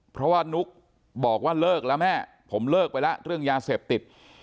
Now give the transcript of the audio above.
เพราะว่านุ๊กบอกว่าเลิกแล้วแม่ผมเลิกไปแล้วเรื่องยาเสพติด